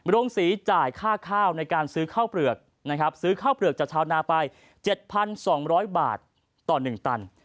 โรงศรีจ่ายค่าข้าวในการซื้อข้าวเปลือกนะครับซื้อข้าวเปลือกจากชาวนาไป๗๒๐๐บาทต่อ๑ตัน